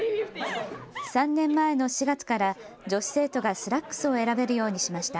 ３年前の４月から女子生徒がスラックスを選べるようにしました。